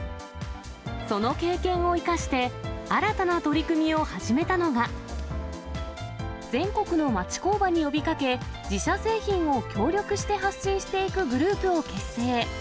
その経験を生かして、新たな取り組みを始めたのが、全国の町工場に呼びかけ、自社製品を協力して発信していくグループを結成。